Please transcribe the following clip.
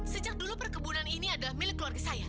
sejak dulu perkebunan ini adalah milik keluarga saya